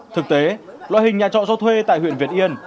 thực tế loa hình nhà trọ do thuê tại huyện việt yên